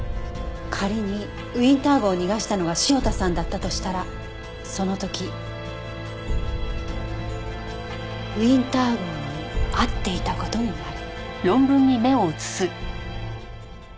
仮にウィンター号を逃がしたのが潮田さんだったとしたらその時ウィンター号に会っていた事になる。